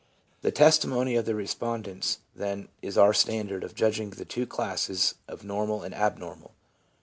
The testimony of the respondents, then, is our standard of judging the two classes of normal and abnormal.